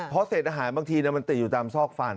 เพราะเศษอาหารบางทีมันติดอยู่ตามซอกฟัน